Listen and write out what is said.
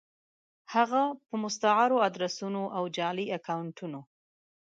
هفه په مستعارو ادرسونو او جعلي اکونټونو